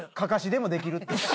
「かかしでもできる」って。